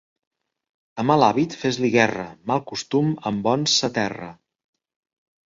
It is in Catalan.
A mal hàbit, fes-li guerra, mal costum amb bons s'aterra.